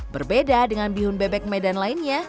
berbeda dengan bihun bebek medan lainnya